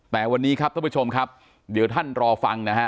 แต่วันนี้ครับท่านผู้ชมครับเดี๋ยวท่านรอฟังนะฮะ